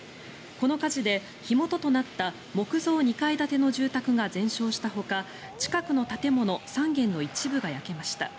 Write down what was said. この火事で火元となった木造２階建ての住宅が全焼したほか近くの建物３軒の一部が焼けました。